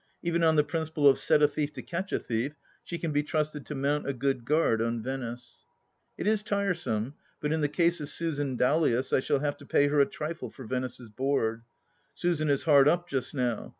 Even on the principle of set a thief to catch a thief, she can be trusted to mount a good guard on Venice. It is tiresome, but in the case of Susan Dowlais I shall have to pay her a trifle for Venice's board. Susan is hard up just now.